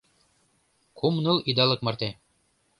Кум-ныл идалык марте.